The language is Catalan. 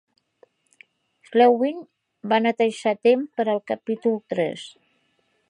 Selwyn va netejar a temps per al capítol tres.